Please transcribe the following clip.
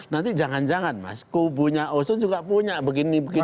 nanti jangan jangan mas kubunya oso juga punya begini begini